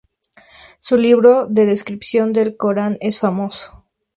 Su libro de descripción del Corán, es famoso.